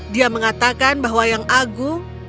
dia mengatakan bahwa yang agung